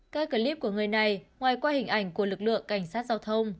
các clip của người này ngoài qua hình ảnh của lực lượng cảnh sát giao thông